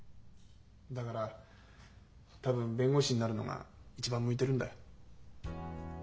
だから多分弁護士になるのが一番向いてるんだよ。